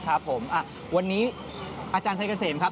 ครับผมวันนี้อาจารย์ไทยเกษมครับ